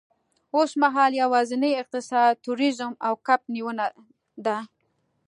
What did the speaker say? اوسمهال یوازېنی اقتصاد تورېزم او کب نیونه ده.